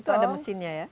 itu ada mesinnya ya